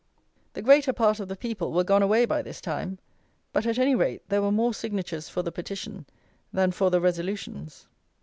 The greater part of the people were gone away by this time; but, at any rate, there were more signatures for the petition than for the resolutions.